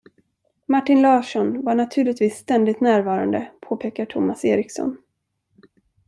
Martin Larsson var naturligtvis ständigt närvarande påpekar Tomas Eriksson.